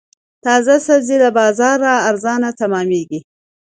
تازه سبزي له بازاره ارزانه تمامېږي.